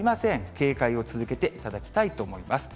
警戒を続けていただきたいと思います。